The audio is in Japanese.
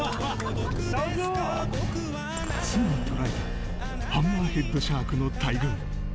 ついに捉えたハンマーヘッドシャークの大群。